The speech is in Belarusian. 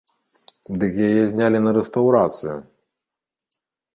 Дык яе знялі на рэстаўрацыю!